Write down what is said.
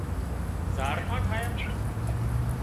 زاڙکان ٺاهيان